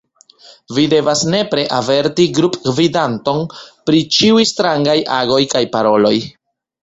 Vi devas nepre averti grupgvidanton pri ĉiuj strangaj agoj kaj paroloj.